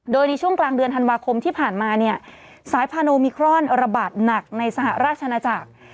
โดยในช่วงกลางเดือนธันวาคมที่ผ่านมาเนี่ยสายพาโนมิครอนระบาดหนักในสหราชนาจักร